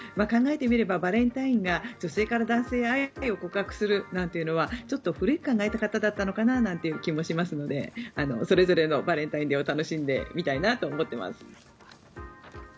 考えてみればバレンタインが女性から男性へ愛を告白するなんていうのはちょっと古い考え方だったのかななんていう気もしますのでそれぞれのバレンタインを楽しんでみたいなと思っています。